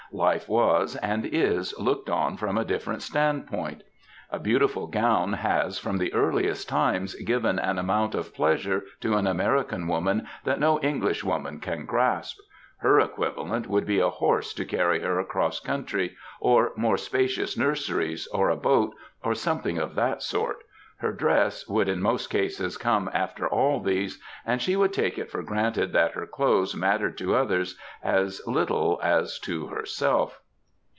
Life was, and is, looked on from a different stand point. A beautiful gown has, from the earliest times, given an amount of pleasure to an American woman that no English woman can grasp. Her equivalent would be a horse to carry her across country, or more spacious nurseries, or a boat, or something of that sort; her dress would in most cases come after all these, and she would take it for granted that her clothes mattered to others as little as to herself.